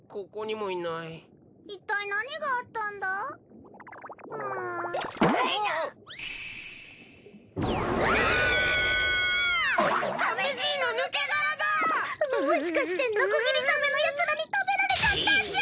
もしかしてノコギリザメのやつらに食べられちゃったんじゃ。